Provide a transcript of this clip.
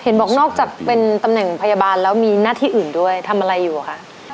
บอกนอกจากเป็นตำแหน่งพยาบาลแล้วมีหน้าที่อื่นด้วยทำอะไรอยู่คะ